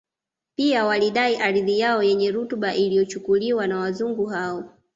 Pia walidai ardhi yao yenye rutuba iliyochukuliwa na Wazungu hao